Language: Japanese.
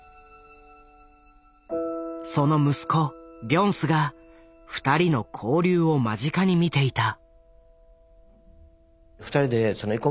その息子ビョンスが２人の交流を間近に見ていた。